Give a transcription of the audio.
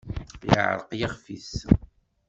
Yeɛreq yixef-is.